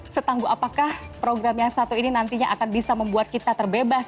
setangguh apakah program yang satu ini nantinya akan bisa membuat kita terbebas